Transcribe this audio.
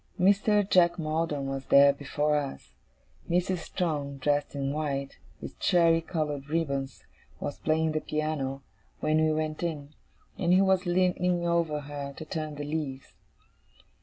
Mr. Jack Maldon was there, before us. Mrs. Strong, dressed in white, with cherry coloured ribbons, was playing the piano, when we went in; and he was leaning over her to turn the leaves.